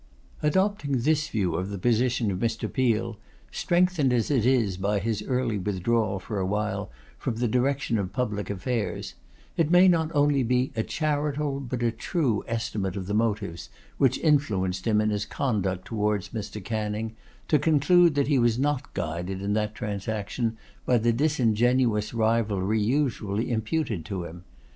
Adopting this view of the position of Mr. Peel, strengthened as it is by his early withdrawal for a while from the direction of public affairs, it may not only be a charitable but a true estimate of the motives which influenced him in his conduct towards Mr. Canning, to conclude that he was not guided in that transaction by the disingenuous rivalry usually imputed to him.